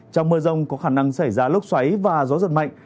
trong mưa rông có khả năng xảy ra lốc xoáy và gió giật mạnh